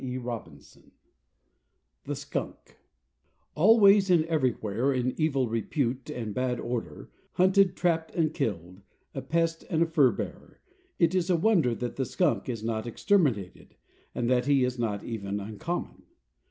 XXXII THE SKUNK Always and everywhere in evil repute and bad odor, hunted, trapped, and killed, a pest and a fur bearer, it is a wonder that the skunk is not exterminated, and that he is not even uncommon.